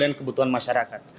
dan kebutuhan masyarakat